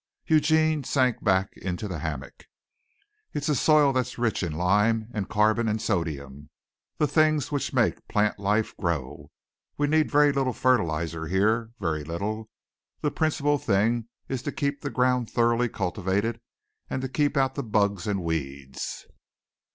Eugene sank back into the hammock. "It's a soil that's rich in lime and carbon and sodium the things which make plant life grow. We need very little fertilizer here very little. The principal thing is to keep the ground thoroughly cultivated and to keep out the bugs and weeds."